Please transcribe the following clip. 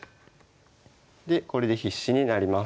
でこれで必至になります。